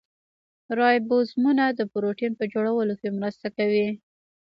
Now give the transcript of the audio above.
رایبوزومونه د پروټین په جوړولو کې مرسته کوي